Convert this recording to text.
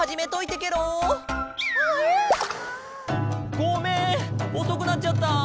ごめんおそくなっちゃった。